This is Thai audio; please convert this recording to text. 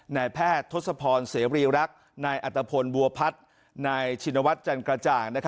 นายแพทย์ทศพรเสรีรักษ์นายอัตภพลบัวพัฒน์นายชินวัฒน์จันกระจ่าง